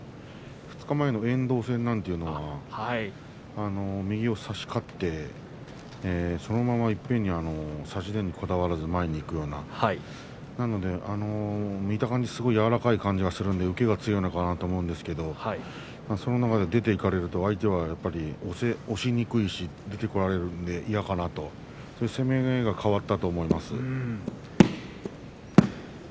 ２日前の遠藤戦なんていうのは右を差し勝ってそのままいっぺんに差し手にこだわらず前にいくような見た感じ、すごい柔らかい感じがするので受けが強いのかなと思うんですけれどもその中で出ていかれると相手は押しにくいし出てこられるんで嫌かなとそういう攻めが変わったと思います。